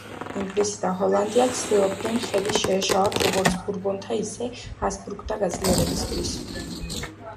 ინგლისი და ჰოლანდია ცდილობდნენ ხელი შეეშალათ როგორც ბურბონთა, ისე ჰაბსბურგთა გაძლიერებისათვის.